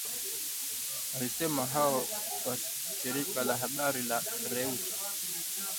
Alisema hayo kwa shirika la habari la Reuta